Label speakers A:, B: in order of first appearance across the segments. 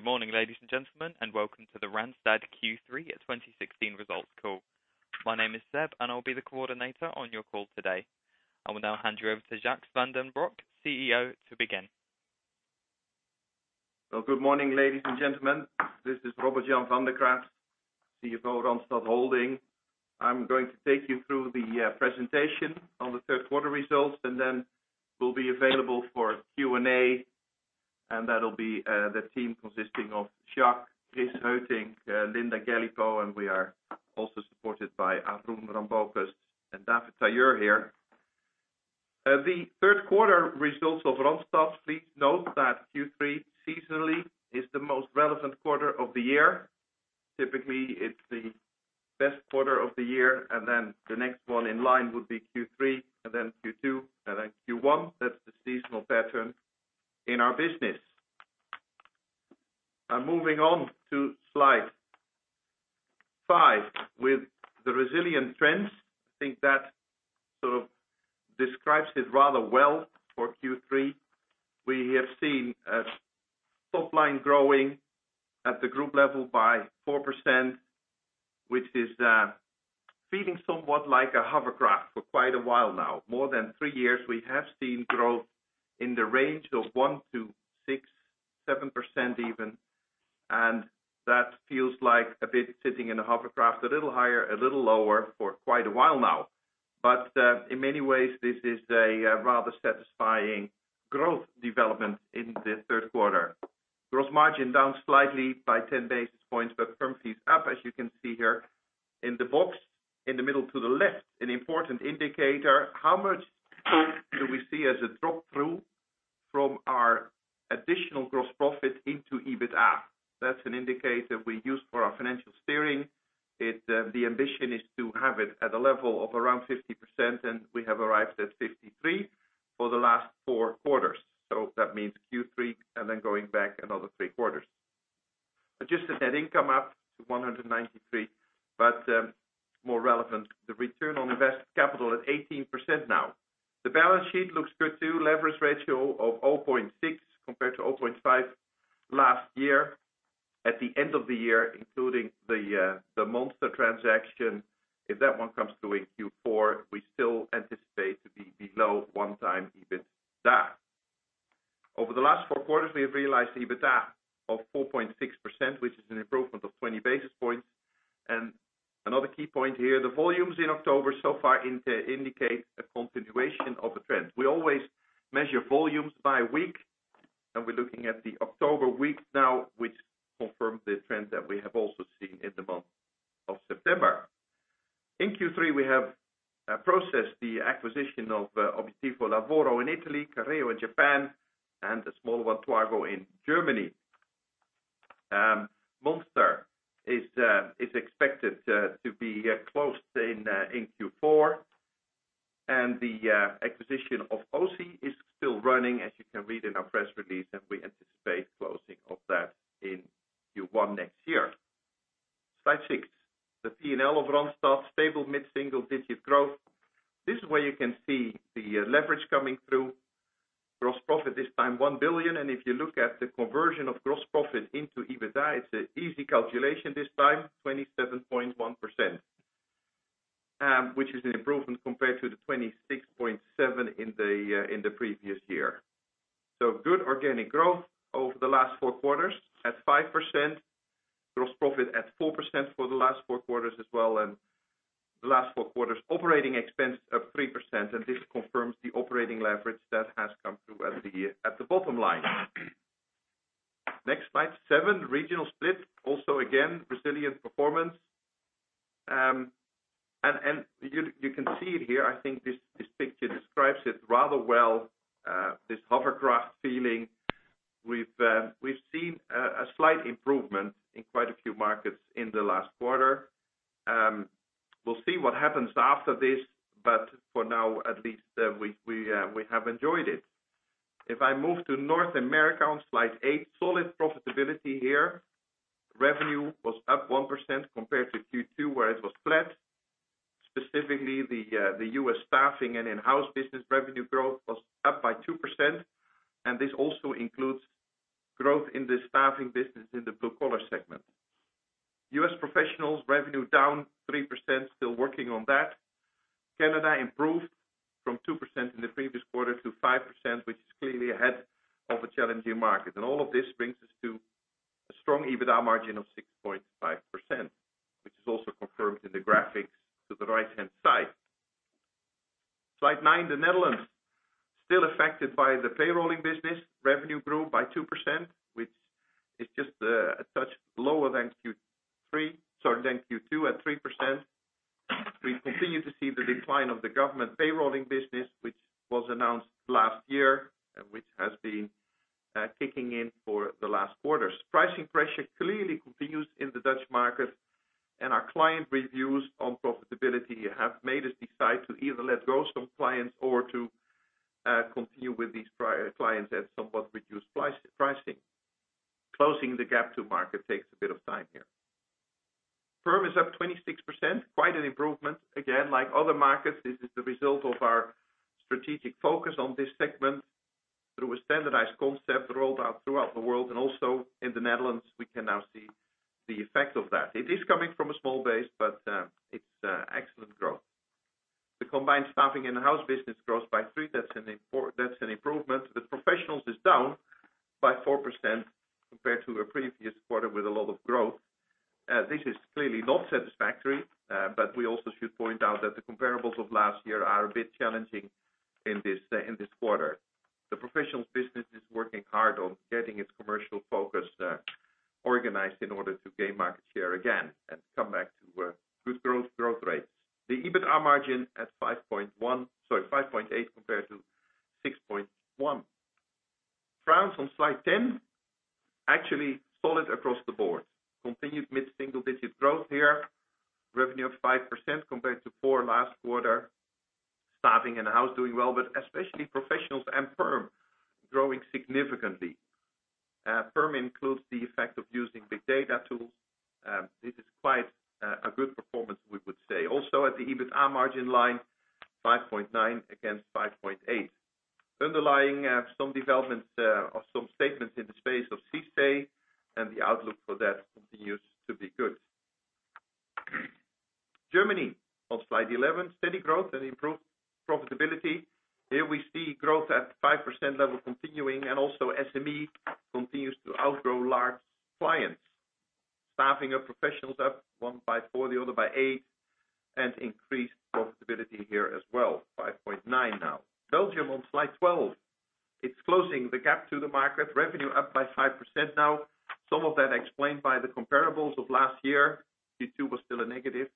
A: Good morning, ladies and gentlemen, welcome to the Randstad Q3 2016 results call. My name is Seb, I'll be the coordinator on your call today. I will now hand you over to Jacques van den Broek, CEO, to begin.
B: Well, good morning, ladies and gentlemen. This is Robert Jan van de Kraats, CEO of Randstad Holding. I'm going to take you through the presentation on the third quarter results, then we'll be available for Q&A. That'll be the team consisting of Jacques, Chris Heutink, Linda Galipeau, we are also supported by Arun Rambocus and David Tailleur here. The third quarter results of Randstad, please note that Q3 seasonally is the most relevant quarter of the year. Typically, it's the best quarter of the year, then the next one in line would be Q3, then Q2, and then Q1. That's the seasonal pattern in our business. Moving on to slide five with the resilient trends. I think that sort of describes it rather well for Q3. We have seen top line growing at the group level by 4%, which is feeling somewhat like a hovercraft for quite a while now. More than three years, we have seen growth in the range of 1%-6%, 7% even. That feels like a bit sitting in a hovercraft, a little higher, a little lower for quite a while now. In many ways, this is a rather satisfying growth development in the third quarter. Gross margin down slightly by 10 basis points, but firm fees up, as you can see here in the box in the middle to the left. An important indicator, how much growth do we see as a drop-through from our additional gross profit into EBITDA? That's an indicator we use for our financial steering. The ambition is to have it at a level of around 50%, we have arrived at 53% for the last four quarters. That means Q3, then going back another three quarters. Adjusted net income up to 193, but more relevant, the return on invested capital at 18% now. The balance sheet looks good too. Leverage ratio of 0.6 compared to 0.5 last year. At the end of the year, including the Monster transaction, if that one comes through in Q4, we still anticipate to be below one time EBITDA. Over the last four quarters, we have realized EBITDA of 4.6%, which is an improvement of 20 basis points. Another key point here, the volumes in October so far indicate a continuation of the trend. We always measure volumes by week. We're looking at the October week now, which confirms the trend that we have also seen in the month of September. In Q3, we have processed the acquisition of Obiettivo Lavoro in Italy, Careo in Japan, and a small one, twago, in Germany. Monster is expected to be closed in Q4, and the acquisition of Ausy is still running, as you can read in our press release. We anticipate closing of that in Q1 next year. Slide six. The P&L of Randstad, stable mid-single digit growth. This is where you can see the leverage coming through. Gross profit this time, 1 billion. If you look at the conversion of gross profit into EBITDA, it's an easy calculation this time, 27.1%, which is an improvement compared to the 26.7% in the previous year. Good organic growth over the last four quarters at 5%. Gross profit at 4% for the last four quarters as well. The last four quarters operating expense up 3%, and this confirms the operating leverage that has come through at the bottom line. Next, Slide seven, regional split. Also, again, resilient performance. You can see it here. I think this picture describes it rather well, this hovercraft feeling. We've seen a slight improvement in quite a few markets in the last quarter. We'll see what happens after this, but for now at least, we have enjoyed it. I move to North America on Slide eight, solid profitability here. Revenue was up 1% compared to Q2, where it was flat. Specifically, the U.S. staffing and in-house business revenue growth was up by 2%, and this also includes growth in the staffing business in the blue-collar segment. U.S. professionals revenue down 3%, still working on that. Canada improved from 2% in the previous quarter to 5%, which is clearly ahead of a challenging market. All of this brings us to a strong EBITDA margin of 6.5%, which is also confirmed in the graphics to the right-hand side. Slide nine, the Netherlands. Still affected by the payrolling business. Revenue grew by 2%, which is just a touch lower than Q3. Sorry, than Q2 at 3%. We continue to see the decline of the government payrolling business, which was announced last year and which has been kicking in for the last quarters. Pricing pressure clearly continues in the Dutch market. Our client reviews on profitability have made us decide to either let go some clients or to continue with these clients at somewhat reduced pricing. Closing the gap to market takes a bit of time here. Firm is up 26%, quite an improvement. Again, like other markets, this is the result of our strategic focus on this segment through a standardized concept rolled out throughout the world. Also in the Netherlands, we can now see the effect of that. It is coming from a small base, but it's excellent growth. The combined staffing and in-house business grows by 3%. That's an improvement. The professionals is down by 4% compared to a previous quarter with a lot of growth. This is clearly not satisfactory. We also should point out that the comparables of last year are a bit challenging in this quarter. The professionals business is working hard on getting its commercial focus organized in order to gain market share again and come back to good growth rates. The EBITDA margin at 5.8% compared to 6.1%. France on Slide 10, actually solid across the board. Continued mid-single digit growth here. Revenue up 5% compared to four last quarter. Staffing and in-house doing well, especially professionals and perm growing significantly. Perm includes the effect of using big data tools. This is quite a good performance, we would say. Also at the EBITDA margin line, 5.9 against 5.8. Underlying some developments or some statements in the space of CICE, the outlook for that continues to be good. Germany on slide 11, steady growth and improved profitability. Here we see growth at 5% level continuing, also SME continues to outgrow large clients. Staffing of professionals up, one by four, the other by eight, increased profitability here as well, 5.9 now. Belgium on slide 12. It is closing the gap to the market. Revenue up by 5% now. Some of that explained by the comparables of last year. Q2 was still a negative.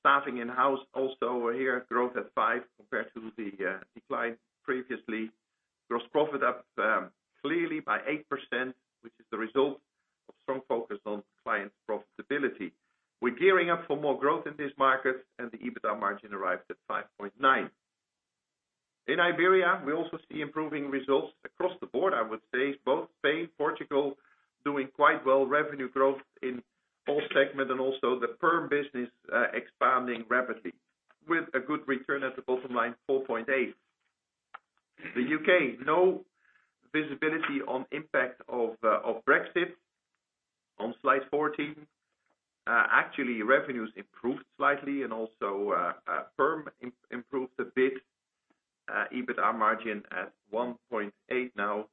B: Staffing in-house also here growth at five compared to the decline previously. Gross profit up clearly by 8%, which is the result of strong focus on clients' profitability. We are gearing up for more growth in this market, the EBITDA margin arrives at 5.9. In Iberia, we also see improving results across the board, I would say. Both Spain, Portugal doing quite well. Revenue growth in all segment, also the perm business expanding rapidly with a good return at the bottom line, 4.8. The U.K., no visibility on impact of Brexit on slide 14. Actually, revenues improved slightly, also perm improved a bit. EBITDA margin at 1.8 now.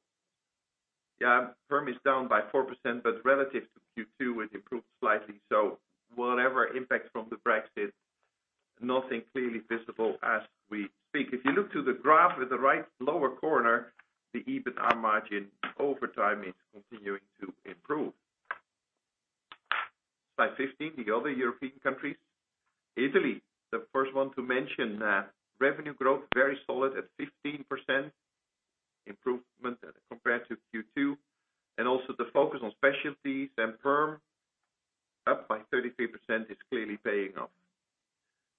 B: Perm is down by 4%, but relative to Q2, it improved slightly. Whatever impact from the Brexit, nothing clearly visible as we speak. If you look to the graph at the right lower corner, the EBITDA margin over time is continuing to improve. Slide 15, the other European countries. Italy, the first one to mention. Revenue growth very solid at 15% improvement compared to Q2. Also the focus on specialties and perm up by 33% is clearly paying off.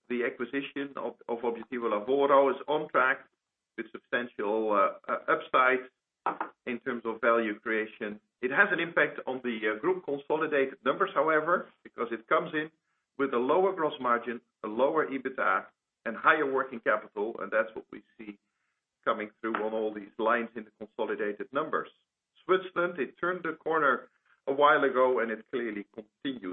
B: The acquisition of Obiettivo Lavoro is on track with substantial upside in terms of value creation. It has an impact on the group consolidated numbers, however, because it comes in with a lower gross margin, a lower EBITDA and higher working capital, that is what we see coming through on all these lines in the consolidated numbers. Switzerland, it turned the corner a while ago, it clearly continues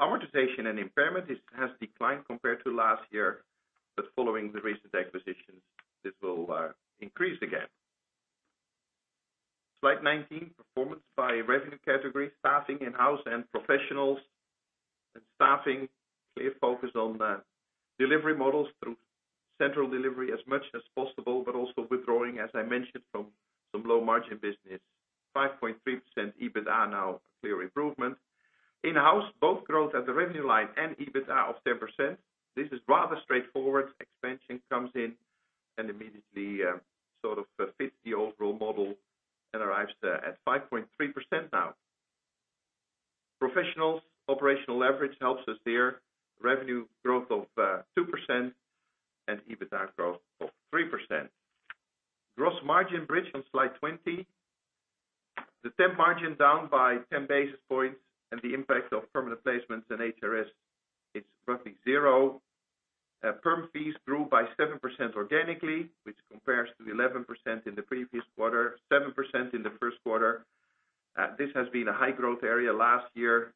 B: amortization and impairment has declined compared to last year, following the recent acquisitions, this will increase again. Slide 19, performance by revenue category, staffing, in-house, and professionals. Staffing, clear focus on delivery models through central delivery as much as possible, also withdrawing, as I mentioned, from some low margin business. 5.3% EBITDA now, clear improvement. In-house, both growth at the revenue line and EBITDA of 7%. This is rather straightforward. Expansion comes in immediately fits the overall model and arrives there at 5.3% now. Professionals, operational leverage helps us there. Revenue growth of 2% and EBITDA growth of 3%. Gross margin bridge on slide 20. The temp margin down by 10 basis points and the impact of permanent placements and HRS is roughly zero. Perm fees grew by 7% organically, which compares to the 11% in the previous quarter, 7% in the first quarter. This has been a high growth area. Last year,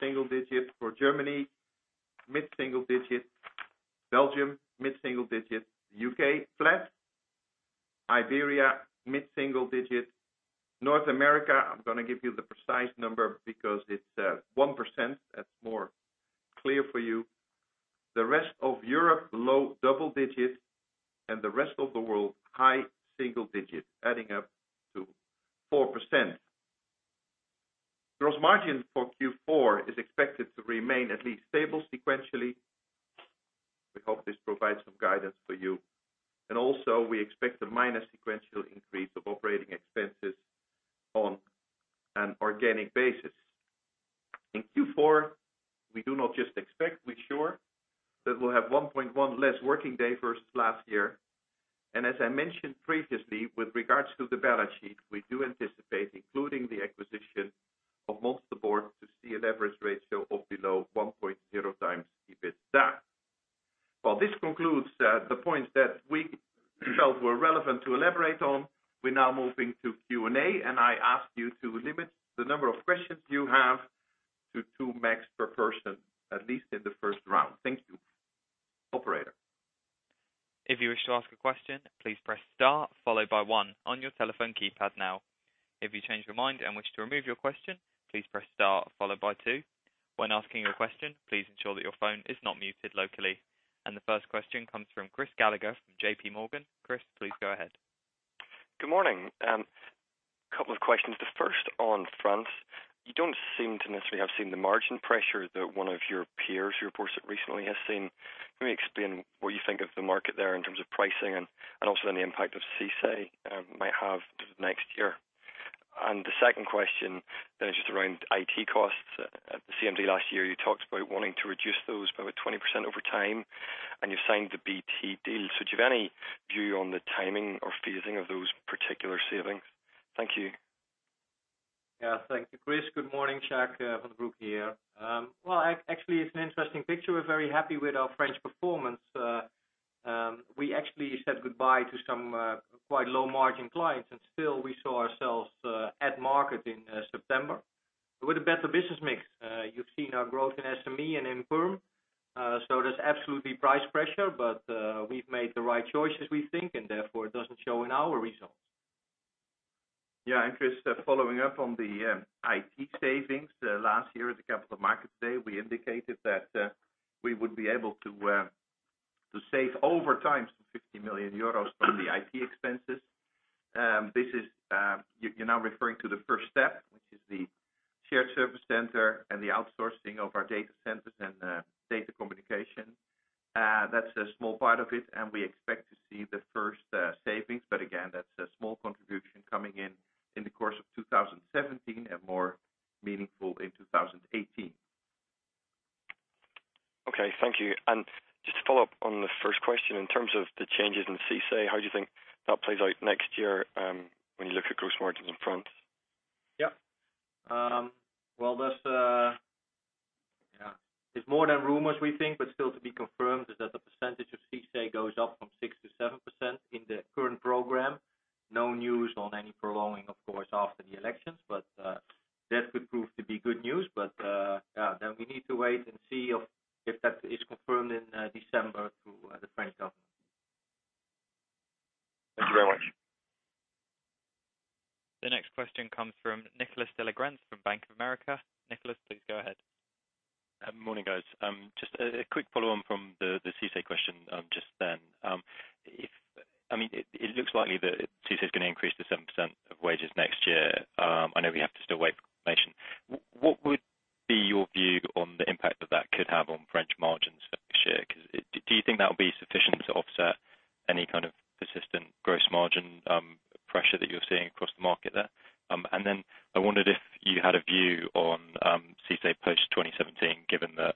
B: single digits. For Germany, mid single digits. Belgium, mid single digits. U.K., flat. Iberia, mid single digits. North America, I'm going to give you the precise number because it's 1%. That's more clear for you. The rest of Europe, low double digits, and the rest of the world, high single digits, adding up to 4%. Gross margin for Q4 is expected to remain at least stable sequentially. We hope this provides some guidance for you. Also, we expect a minor sequential increase of operating expenses on an organic basis. In Q4, we do not just expect, we're sure that we'll have 1.1 less working day versus last year. As I mentioned previously with regards to the balance sheet, we do anticipate including the acquisition of Monster to see a leverage ratio of below 1.0 times EBITDA. Well, this concludes the points that we felt were relevant to elaborate on. We're now moving to Q&A. I ask you to limit the number of questions you have to two max per person, at least in the first round. Thank you. Operator.
A: If you wish to ask a question, please press star followed by one on your telephone keypad now. If you change your mind and wish to remove your question, please press star followed by two. When asking your question, please ensure that your phone is not muted locally. The first question comes from Chris Gallagher from JP Morgan. Chris, please go ahead.
C: Good morning. Couple of questions. The first on France. You don't seem to necessarily have seen the margin pressure that one of your peers who reports it recently has seen. Can you explain what you think of the market there in terms of pricing and also then the impact of CICE might have next year? The second question then is just around IT costs. At the CMD last year, you talked about wanting to reduce those by about 20% over time, and you've signed the BT deal. Do you have any view on the timing or phasing of those particular savings? Thank you.
D: Thank you, Chris. Good morning. Jacques van den Broek here. We're very happy with our French performance. We said goodbye to some quite low margin clients, and still we saw ourselves at market in September. With a better business mix, you've seen our growth in SME and in perm. There's absolutely price pressure, but we've made the right choices, we think, and therefore, it doesn't show in our results. Chris, following up on the IT savings. Last year at the Capital Markets Day, we indicated that we would be able to To save over time some 50 million euros from the IT expenses. You're now referring to the first step, which is the shared service center and the outsourcing of our data centers and data communication. That's a small part of it, and we expect to see the first savings. Again, that's a small contribution coming in the course of 2017 and more meaningful in 2018.
C: Okay. Thank you. Just to follow up on the first question, in terms of the changes in CICE, how do you think that plays out next year, when you look at gross margins in France?
D: That's more than rumors, we think, but still to be confirmed, is that the percentage of CICE goes up from 6% to 7% in the current program. No news on any prolonging, of course, after the elections. That could prove to be good news. We need to wait and see if that is confirmed in December through the French government.
C: Thank you very much.
A: The next question comes from Nicholas Delagrent from Bank of America. Nicholas, please go ahead.
E: Morning, guys. Just a quick follow on from the CICE question just then. It looks likely that CICE is going to increase to 7% of wages next year. I know we have to still wait for confirmation. What would be your view on the impact that could have on French margins for next year? Then I wondered if you had a view on CICE post 2017, given that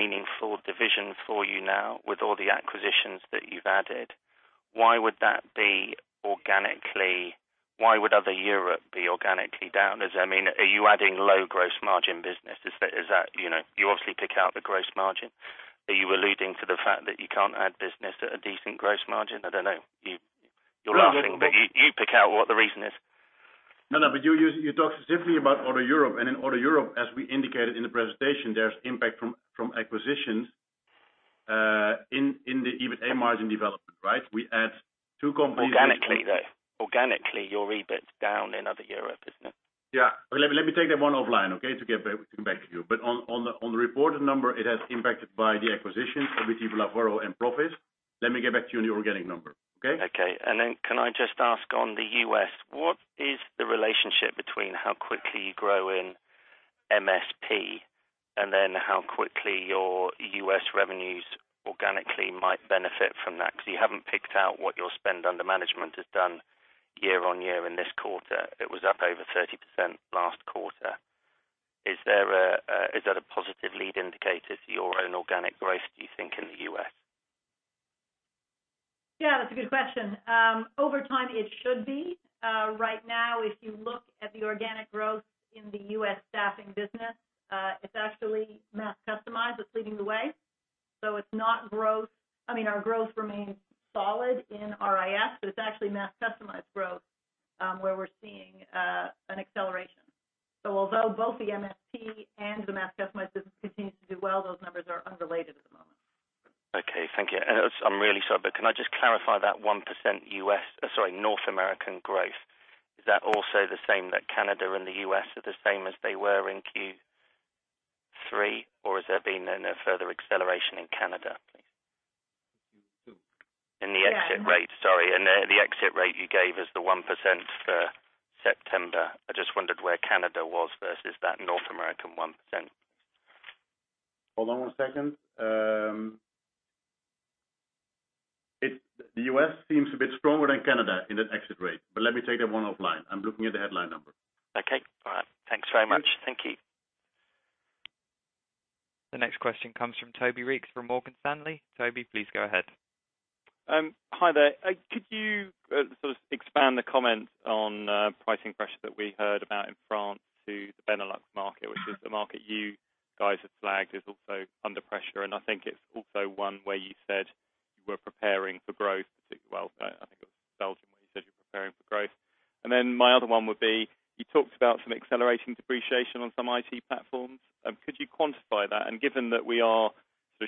D: meaningful division for you now with all the acquisitions that you've added. Why would Other Europe be organically down? Are you adding low gross margin business? You obviously pick out the gross margin. Are you alluding to the fact that you can't add business at a decent gross margin? I don't know. You're laughing, but you pick out what the reason is. No, but you talk specifically about Other Europe, and in Other Europe, as we indicated in the presentation, there's impact from acquisitions in the EBITA margin development. We add two companies-
F: Organically, though. Organically, your EBIT's down in Other Europe, isn't it?
D: Yeah. Let me take that one offline, okay? To get back to you. On the reported number, it has impacted by the acquisitions, Obiettivo Lavoro and Proffice. Let me get back to you on the organic number. Okay?
F: Okay. Can I just ask on the U.S., what is the relationship between how quickly you grow in MSP and then how quickly your U.S. revenues organically might benefit from that? Because you haven't picked out what your spend under management has done year-over-year in this quarter, it was up over 30% last quarter. Is that a positive lead indicator for your own organic growth, do you think, in the U.S.?
G: Yeah, that's a good question. Over time, it should be. Right now, if you look at the organic growth in the U.S. staffing business, it's actually mass customization that's leading the way. Our growth remains solid in RIS, but it's actually mass customization growth, where we're seeing an acceleration. Although both the MSP and the mass customization business continues to do well, those numbers are unrelated at the moment.
F: Okay. Thank you. I'm really sorry, can I just clarify that 1% North American growth? Is that also the same, that Canada and the U.S. are the same as they were in Q3 or has there been no further acceleration in Canada? In the exit rate, sorry. In the exit rate you gave us the 1% for September. I just wondered where Canada was versus that North American 1%.
H: Hold on one second. The U.S. seems a bit stronger than Canada in that exit rate, let me take that one offline. I'm looking at the headline number.
F: Okay. All right. Thanks very much. Thank you.
A: The next question comes from Toby Reeks from Morgan Stanley. Toby, please go ahead.
I: Hi there. Could you expand the comment on pricing pressure that we heard about in France to the Benelux market, which is a market you guys have flagged is also under pressure, and I think it's also one where you said you were preparing for growth, particularly, well, I think it was Belgium, where you said you're preparing for growth. My other one would be, you talked about some acceleration depreciation on some IT platforms. Could you quantify that? Given that we are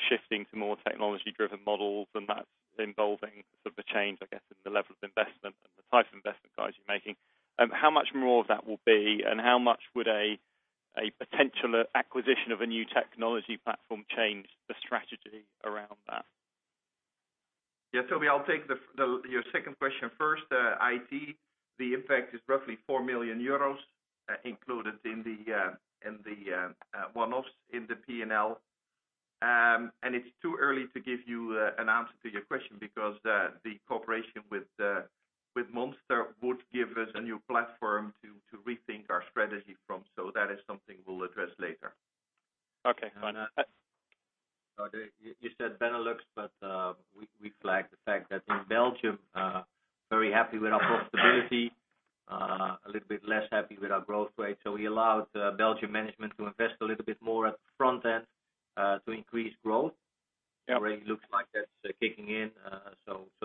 I: shifting to more technology-driven models, and that's involving the change, I guess, in the level of investment and the type of investment guys you're making. How much more of that will be, and how much would a potential acquisition of a new technology platform change the strategy around that?
H: Yeah, Toby, I'll take your second question first. IT, the impact is roughly 4 million euros included in the one-offs in the P&L. It's too early to give you an answer to your question because the cooperation with Monster would give us a new platform to rethink our strategy from. That is something we'll address later.
I: Okay, fine.
D: You said Benelux, but we flagged the fact that in Belgium, very happy with our profitability. A little bit less happy with our growth rate. We allowed Belgium management to invest a little bit more at the front end to increase growth.
I: Yeah.
D: Already looks like that's kicking in.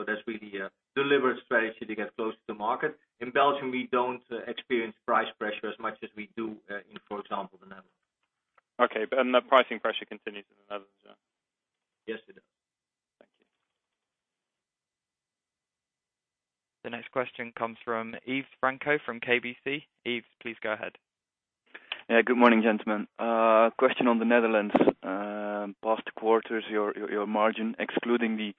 D: That's really a deliberate strategy to get close to the market. In Belgium, we don't experience price pressure as much as we do in, for example, the Netherlands.
I: Okay. The pricing pressure continues in the Netherlands, yeah?
D: Yes, it does.
I: Thank you.
A: The next question comes from Yves Franco from KBC. Yves, please go ahead.
J: Yeah. Good morning, gentlemen. Question on the Netherlands. Past quarters, your margin, excluding the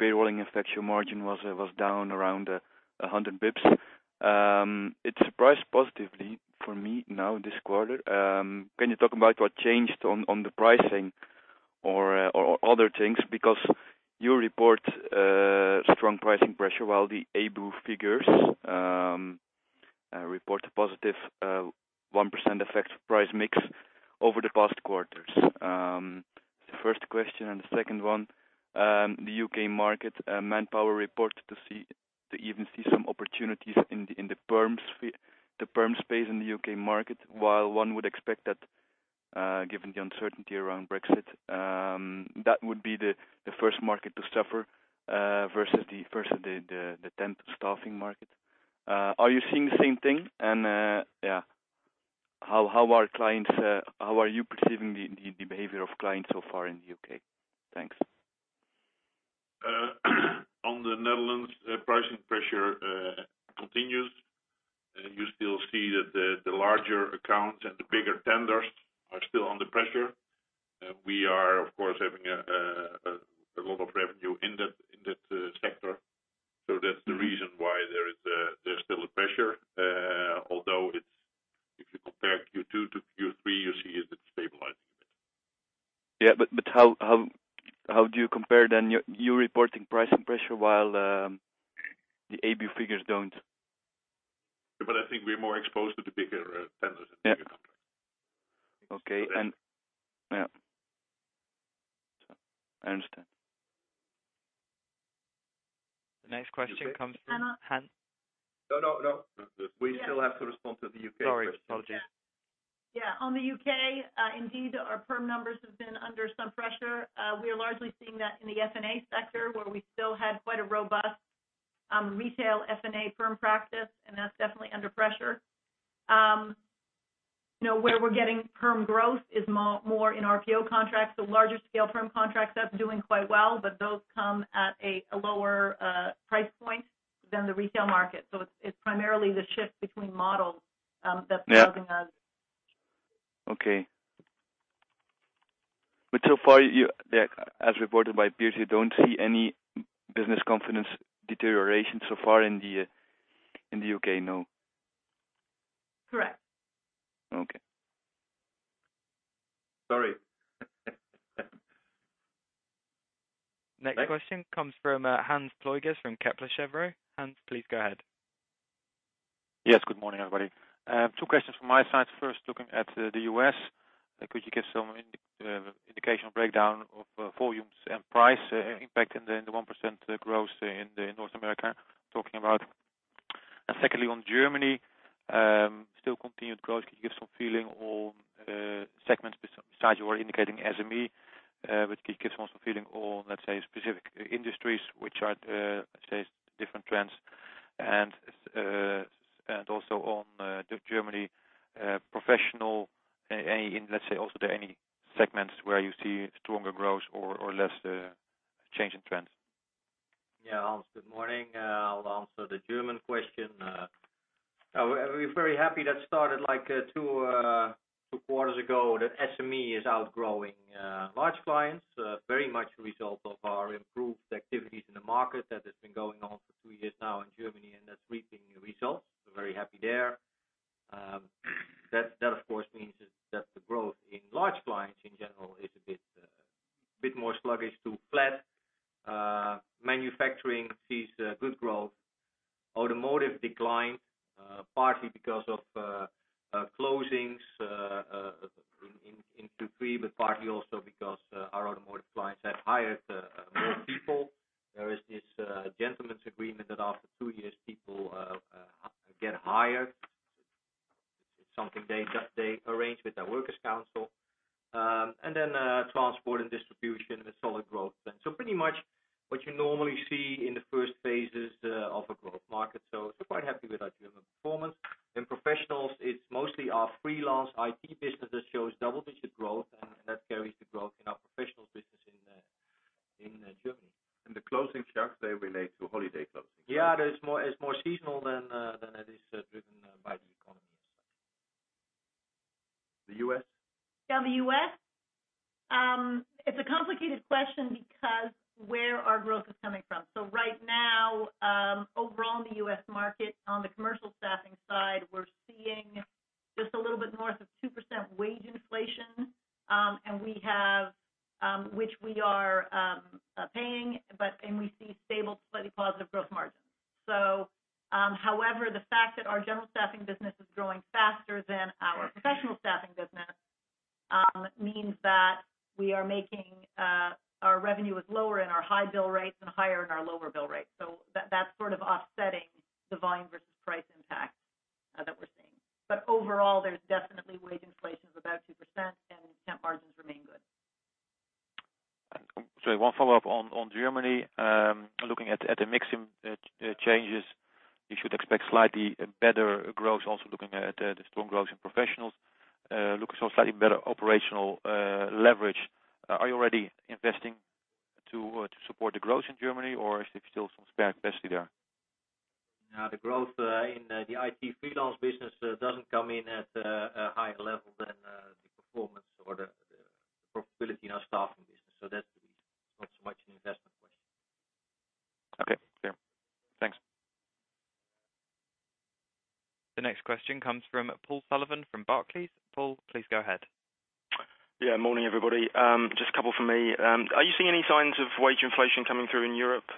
J: payrolling effect, your margin was down around 100 basis points. It surprised positively for me now this quarter. Can you talk about what changed on the pricing or other things? You report strong pricing pressure while the ABU figures report a positive 1% effect price mix over the past quarters. That's the first question. The second one, the U.K. market. ManpowerGroup reported to even see some opportunities in the perm space in the U.K. market, while one would expect that given the uncertainty around Brexit, that would be the first market to suffer, versus the temp staffing market. Are you seeing the same thing? How are you perceiving the behavior of clients so far in the U.K.? Thanks.
H: On the Netherlands, pricing pressure continues. You still see that the larger accounts and the bigger tenders are still under pressure. We are, of course, having a lot of revenue in that sector. That's the reason why there's still a pressure, although if you compare Q2 to Q3, you see it stabilizing a bit.
J: Yeah. How do you compare then, you're reporting pricing pressure while the ABU figures don't.
H: I think we're more exposed to the bigger tenders than the ABU contracts.
J: Yeah. Okay. I understand.
A: The next question comes from-
G: [I'm not].
K: Han. No. We still have to respond to the U.K. question.
J: Sorry. Apologies.
G: Yeah. On the U.K., indeed, our perm numbers have been under some pressure. We are largely seeing that in the F&A sector, where we still had quite a robust retail F&A perm practice, and that's definitely under pressure. Where we're getting perm growth is more in RPO contracts, the larger scale perm contracts, that's doing quite well, but those come at a lower price point than the retail market. It's primarily the shift between models that's organizing.
J: Okay. So far, as reported by peers, you don't see any business confidence deterioration so far in the U.K., no?
G: Correct.
A: Next question comes from Hans Pluijgers from Kepler Cheuvreux. Hans, please go ahead.
L: Yes. Good morning, everybody. Two questions from my side. First, looking at the U.S., could you give some indication or breakdown of volumes and price impact in the 1% growth in North America you're talking about? Secondly, on Germany, still continued growth. Could you give some feeling on segments besides you are indicating SME, but could you give us some feeling on, let's say, specific industries which are, let's say, different trends? Also on Germany Professional, let's say, also there any segments where you see stronger growth or less change in trends?
D: Yeah, Hans, good morning. I'll answer the German question. We're very happy that started two quarters ago, that SME is outgrowing large clients. Very much a result of our improved activities in the market that has been going on for two years now in Germany, and that's reaping results. We're very happy there. That, of course, means that the growth in large clients in general is a bit more sluggish to flat. Manufacturing sees
L: Are you already investing to support the growth in Germany or is there still some spare capacity there?
D: No, the growth in the IT freelance business doesn't come in at a higher level than the performance or the profitability in our staffing business. That's the reason. It's not so much an investment question.
L: Okay, clear. Thanks.
A: The next question comes from Paul Sullivan from Barclays. Paul, please go ahead.
M: Yeah. Morning, everybody. Just a couple from me. Are you seeing any signs of wage inflation coming through in Europe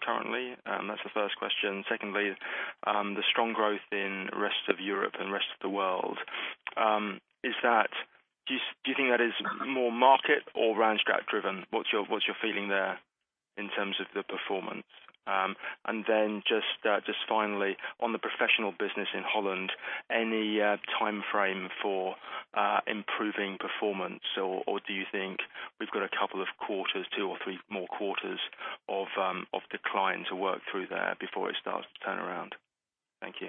M: currently? That's the first question. Secondly, the strong growth in rest of Europe and rest of the world. Do you think that is more market or Randstad driven? What's your feeling there in terms of the performance? Just finally, on the Professional business in Holland, any timeframe for improving performance, or do you think we've got a couple of quarters, two or three more quarters of decline to work through there before it starts to turn around? Thank you.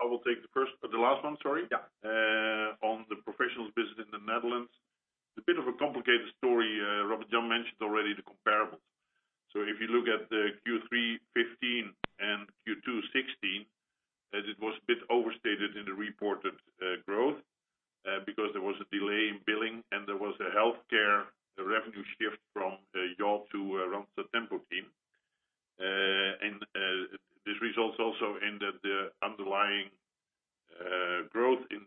H: I will take the last one, sorry.
M: Yeah.
H: On the Professionals business in the Netherlands. It's a bit of a complicated story. Robert Jan mentioned already the comparables. If you look at the Q3 2015 and Q2 2016, as it was a bit overstated in the reported growth because there was a delay in billing and there was a healthcare revenue shift from Yacht to Randstad Tempo-Team. These results also ended the underlying growth in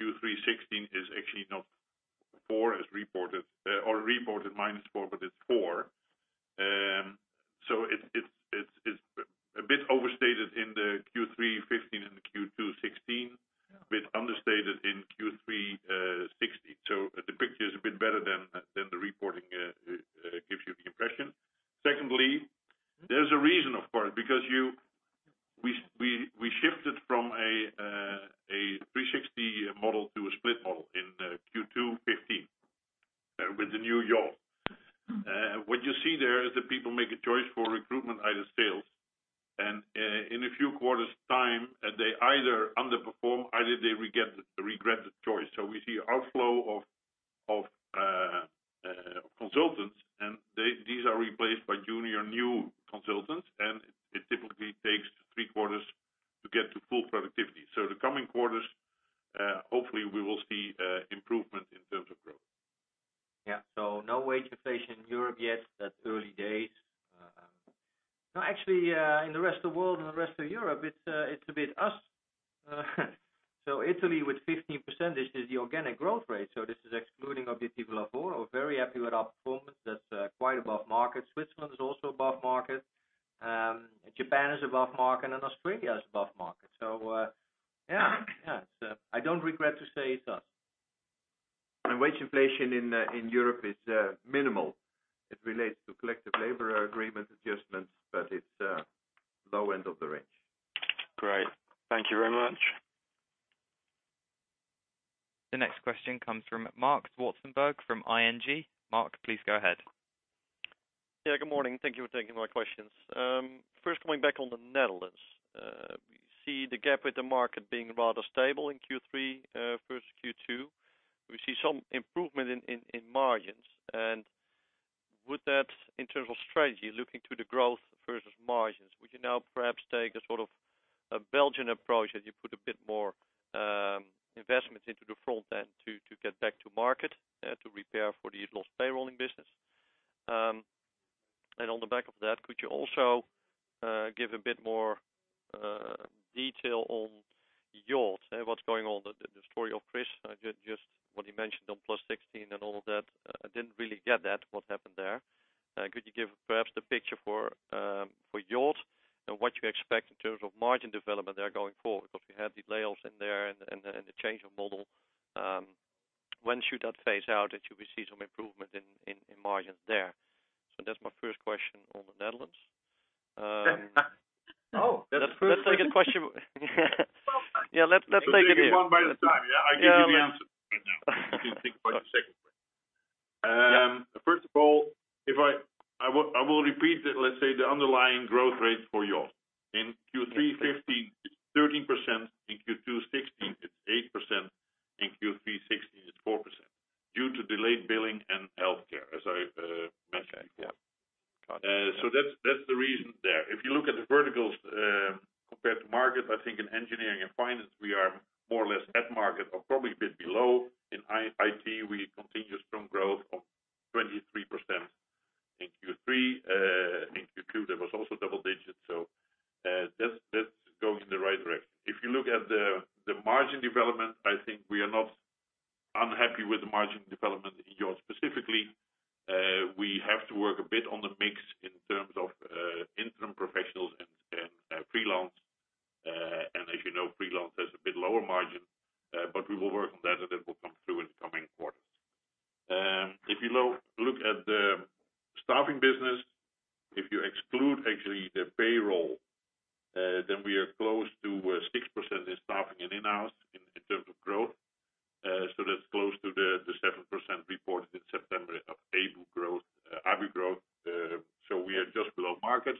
H: Q3 2016 is actually not 4 as reported, or reported minus 4, but it's 4. It's a bit overstated in the Q3 2015 and the Q2 2016, but understated in Q3 2016. The picture is a bit better than the reporting gives you the impression. Secondly, there's a reason, of course. We shifted from a 360 model to a split model in Q2 2015 with the new Yacht. What you see there is that people make a choice for recruitment, either sales. In a few quarters time, they either underperform, either they regret the choice. We see outflow of consultants, and these are replaced by junior new consultants, and it typically takes three quarters to get to full productivity. The coming quarters, hopefully, we will see improvement in terms of growth.
D: Yeah. No wage inflation in Europe yet. That's early days. Actually, in the rest of the world and the rest of Europe, it's a bit us. Italy with 15% is the organic growth rate. This is excluding Obiettivo Lavoro. We're very happy with our performance. That's quite above market. Switzerland is also above market. Japan is above market, and Australia is above market. Yeah. I don't regret to say it's us.
H: Wage inflation in Europe is minimal. It relates to collective labor agreement adjustments, but it's low end of the range.
M: Great. Thank you very much.
A: The next question comes from Marc Zwartsenburg from ING. Marc, please go ahead.
N: Good morning. Thank you for taking my questions. First, coming back on the Netherlands. We see the gap with the market being rather stable in Q3 versus Q2. We see some improvement in margins. Would that, in terms of strategy, looking to the growth versus margins, would you now perhaps take a Belgian approach as you put a bit more
H: due to delayed billing and healthcare, as I mentioned.
N: Okay. Yep. Got it.
H: That's the reason there. If you look at the verticals compared to market, I think in engineering and finance, we are more or less at market or probably a bit below. In IT, we continue strong growth of 23% in Q3. In Q2, that was also double digits. That's going in the right direction. If you look at the margin development, I think we are not unhappy with the margin development in specifically. We have to work a bit on the mix in terms of interim professionals and freelance. As you know, freelance has a bit lower margin. We will work on that and it will come through in the coming quarters. If you look at the staffing business, if you exclude actually the payroll, then we are close to 6% in staffing and in-house in terms of growth. That's close to the 7% reported in September of ABU growth. We are just below market.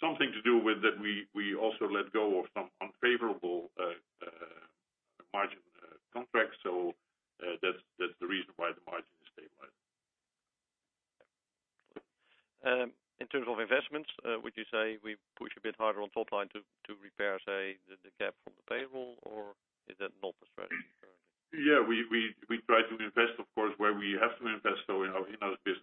H: Something to do with that, we also let go of some unfavorable margin contracts. That's the reason why the margin is stabilized.
N: In terms of investments, would you say we push a bit harder on top line to repair, say, the gap from the payroll, or is that not the strategy currently?
H: We try to invest, of course, where we have to invest. In our business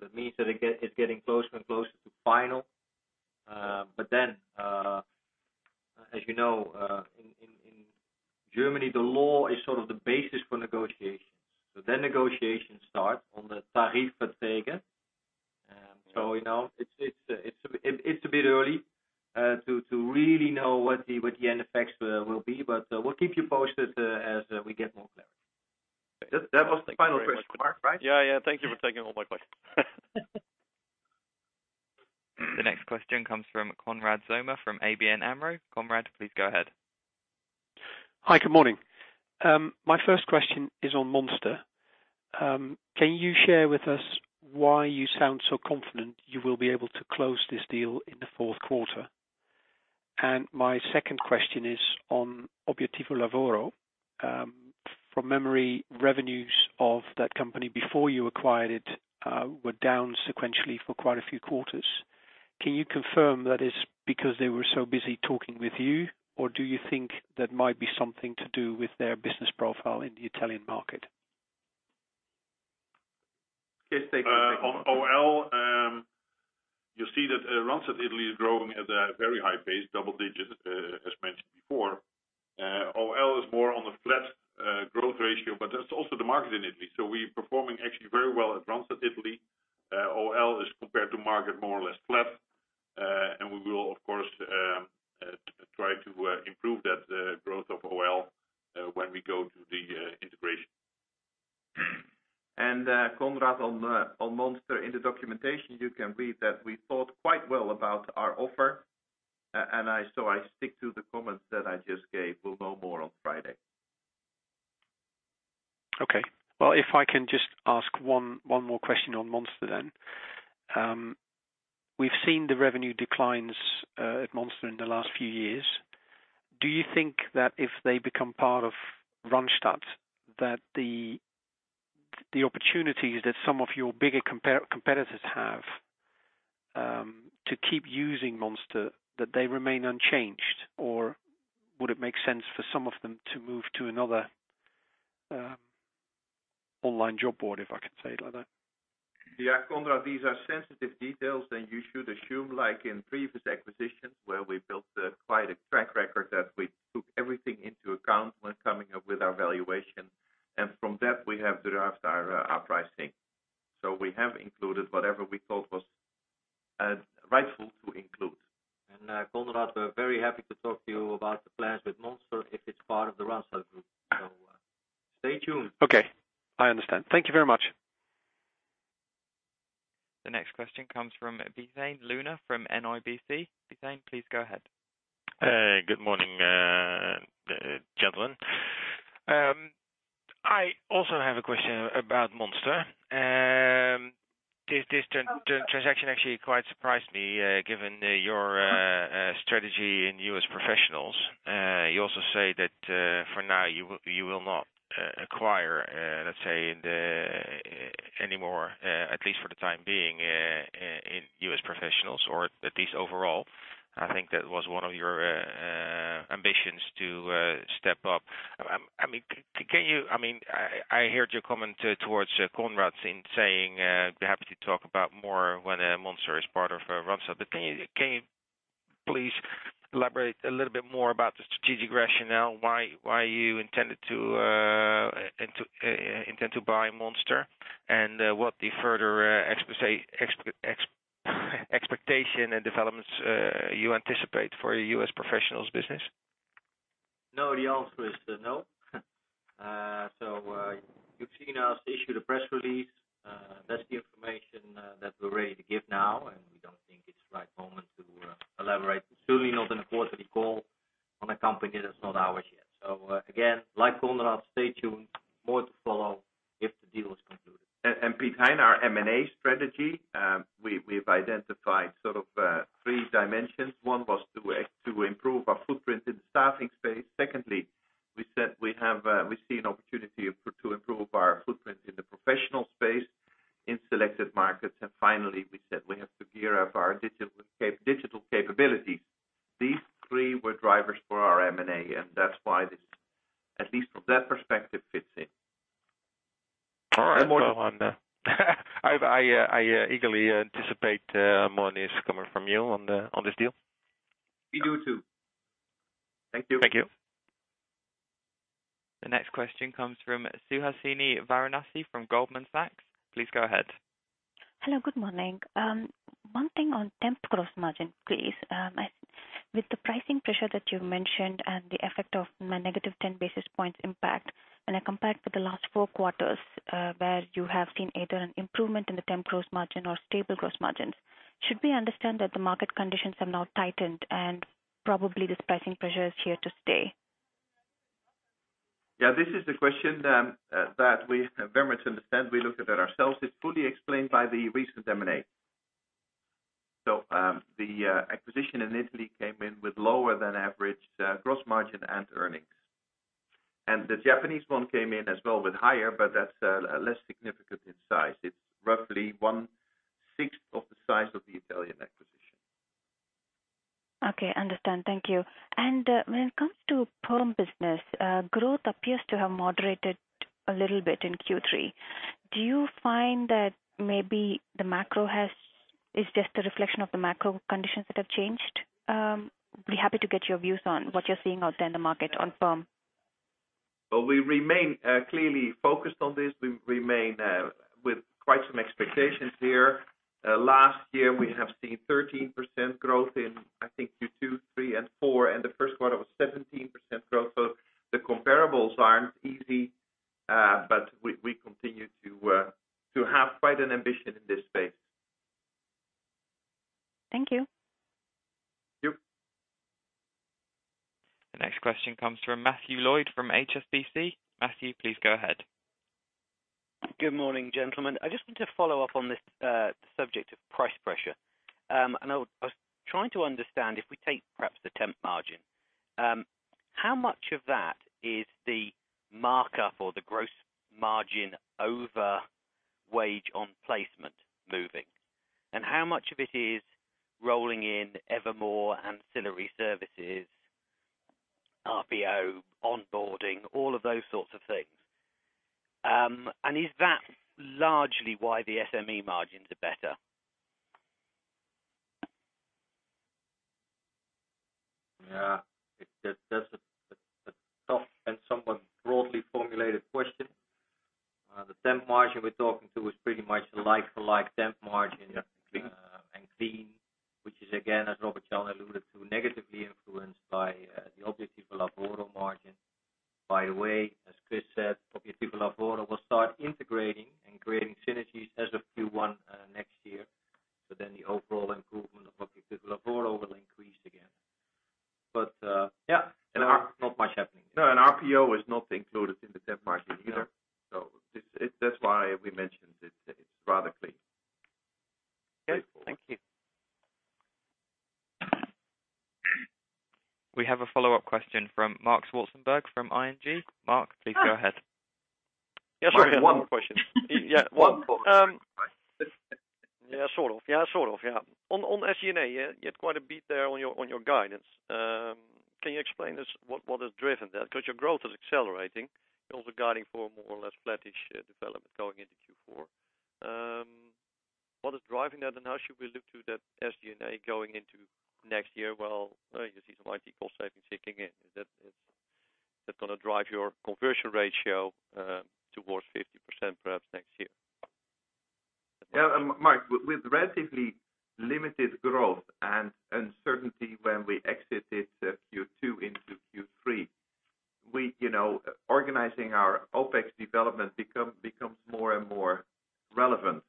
D: That means that it's getting closer and closer to final. As you know in Germany, the law is sort of the basis for negotiations. Negotiations start on the Tarifvertrag. It's a bit early to really know what the end effects will be, but we'll keep you posted as we get more clarity. That was the final question, Marc, right?
N: Yeah. Thank you for taking all my questions.
A: Next question comes from Konrad Zomer from ABN AMRO. Konrad, please go ahead.
O: Hi, good morning. My first question is on Monster. Can you share with us why you sound so confident you will be able to close this deal in the fourth quarter? My second question is on Obiettivo Lavoro. From memory, revenues of that company before you acquired it were down sequentially for quite a few quarters. Can you confirm that is because they were so busy talking with you? Do you think that might be something to do with their business profile in the Italian market?
B: Yes, thank you.
D: On OL, you see that Randstad Italy is growing at a very high pace, double digits, as mentioned before. OL is more on the flat growth ratio, but that's also the market in Italy. We're performing actually very well at Randstad Italy. OL is, compared to market, more or less flat. We will, of course, try to improve that growth of OL when we go to the integration.
B: Konrad, on Monster, in the documentation, you can read that we thought quite well about our offer. I stick to the comments that I just gave. We'll know more on Friday.
O: Okay. Well, if I can just ask one more question on Monster. We've seen the revenue declines at Monster in the last few years. Do you think that if they become part of Randstad, that the opportunities that some of your bigger competitors have to keep using Monster, that they remain unchanged? Would it make sense for some of them to move to another online job board, if I can say it like that?
B: Konrad, these are sensitive details that you should assume, like in previous acquisitions where we built quite a track record, that we took everything into account when coming up with our valuation. From that, we have derived our pricing. We have included whatever we thought was rightful to include.
D: Konrad, we're very happy to talk to you about the plans with Monster if it's part of the Randstad group. Stay tuned.
O: Okay. I understand. Thank you very much.
A: The next question comes from Piet-Hein Luna from NIBC. Piet-Hein, please go ahead.
P: Good morning, gentlemen. I also have a question about Monster. This transaction actually quite surprised me, given your strategy in US Professionals. You also say that for now, you will not acquire, let's say, anymore, at least for the time being, in US Professionals, or at least overall. I think that was one of your ambitions to step up. I heard your comment towards Konrad in saying, be happy to talk about more when Monster is part of Randstad. Can you please elaborate a little bit more about the strategic rationale, why you intend to buy Monster and what the further expectation and developments you anticipate for your US Professionals business?
D: No, the answer is no. You've seen us issue the press release. That's the information that we're ready to give now, and we don't think it's the right moment to elaborate, certainly not in a quarterly call, on a company that's not ours yet. Again, like Konrad, stay tuned. More to follow if the deal is concluded.
B: Piet-Hein, our M&A strategy, we've identified sort of three dimensions. One was to improve our footprint in the staffing space. Secondly, we said we see an opportunity to improve our footprint in the professional space in selected markets. Finally, we said we have to gear up our digital capabilities. These three were drivers for our M&A, and that's why this, at least from that perspective, fits in.
P: All right.
B: More to come.
P: I eagerly anticipate more news coming from you on this deal.
B: We do too.
D: Thank you.
P: Thank you.
A: The next question comes from Suhasini Varanasi from Goldman Sachs. Please go ahead.
Q: Hello, good morning. One thing on temp gross margin, please. With the pricing pressure that you mentioned and the effect of negative 10 basis points impact, when I compare it to the last four quarters where you have seen either an improvement in the temp gross margin or stable gross margins, should we understand that the market conditions have now tightened and probably this pricing pressure is here to stay?
B: Yeah, this is the question that we very much understand. We looked at it ourselves. It's fully explained by the recent M&A. The acquisition in Italy came in with lower than average gross margin and earnings. The Japanese one came in as well with higher, but that's less significant in size. It's roughly one-sixth of the size of the Italian acquisition.
Q: Okay, understand. Thank you. When it comes to perm business, growth appears to have moderated a little bit in Q3. Do you find that maybe it's just a reflection of the macro conditions that have changed? Be happy to get your views on what you're seeing out there in the market on perm.
B: Well, we remain clearly focused on this. We remain with quite some expectations here. Last year, we have seen 13% growth in, I think, Q2, three, and four, and the first quarter was 17% growth. The comparables aren't easy. We continue to have quite an ambition in this space. Thank you. Thank you.
A: The next question comes from Matthew Lloyd from HSBC. Matthew, please go ahead.
R: Good morning, gentlemen. I just want to follow up on this subject of price pressure. I was trying to understand, if we take perhaps the temp margin, how much of that is the markup or the gross margin over wage on placement moving? How much of it is rolling in evermore ancillary services, RPO, onboarding, all of those sorts of things. Is that largely why the SME margins are better?
D: Yeah. That's a tough and somewhat broadly formulated question. The temp margin we're talking to is pretty much the like-for-like temp margin. Clean, which is again, as Robert Jan alluded to, negatively influenced by the Obiettivo Lavoro margin. By the way, as Chris said, Obiettivo Lavoro will start integrating and creating synergies as of Q1 next year. The overall improvement of Obiettivo Lavoro will increase again. Not much happening. RPO is not included in the temp margin either. That's why we mentioned it's rather clean.
R: Okay. Thank you.
A: We have a follow-up question from Marc Zwartsenberg from ING. Marc, please go ahead.
N: Sorry, one question. Yeah, sort of. On SG&A, you had quite a beat there on your guidance. Can you explain this? What has driven that? Because your growth is accelerating. You're also guiding for a more or less flattish development going into Q4. What is driving that, and how should we look to that SG&A going into next year? Well, you see some IT cost savings kicking in. Is that going to drive your conversion ratio towards 50% perhaps next year?
B: Marc, with relatively limited growth and uncertainty when we exited Q2 into Q3, organizing our OPEX development becomes more and more relevant.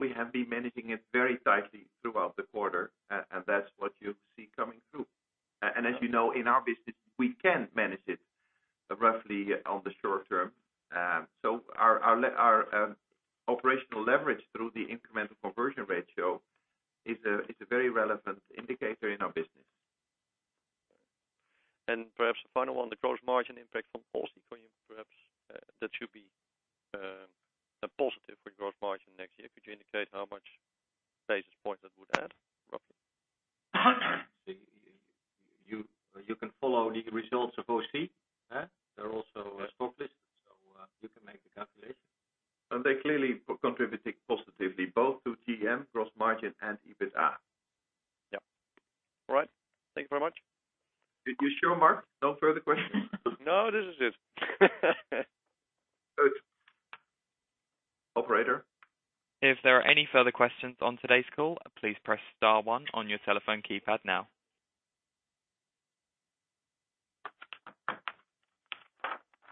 B: We have been managing it very tightly throughout the quarter, and that's what you see coming through. As you know, in our business, we can manage it roughly on the short term. Our operational leverage through the incremental conversion ratio is a very relevant indicator in our business. Perhaps the final one, the gross margin impact from OL for you, perhaps that should be a positive for gross margin next year. Could you indicate how much basis points that would add, roughly? You can follow the results of OL. They're also listed, so you can make the calculation. They're clearly contributing positively, both to GM gross margin and EBITDA. Yeah. All right. Thank you very much. You sure, Mark? No further questions? No, this is it. Good. Operator?
A: If there are any further questions on today's call, please press star one on your telephone keypad now.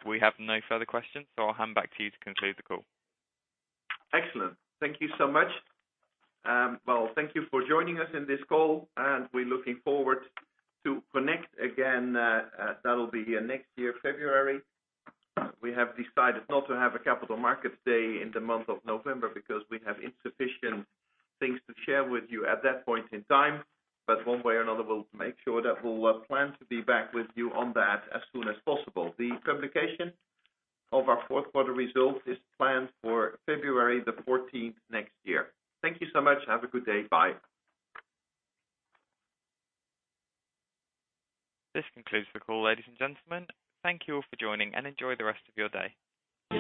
A: We have no further questions, I'll hand back to you to conclude the call.
B: Excellent. Thank you so much. Thank you for joining us on this call. We're looking forward to connect again. That'll be next year, February. We have decided not to have a Capital Markets Day in the month of November because we have insufficient things to share with you at that point in time. One way or another, we'll make sure that we'll plan to be back with you on that as soon as possible. The publication of our fourth quarter results is planned for February the 14th next year. Thank you so much. Have a good day. Bye.
A: This concludes the call, ladies and gentlemen. Thank you all for joining. Enjoy the rest of your day.